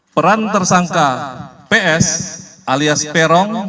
peran tersangka ps alias peron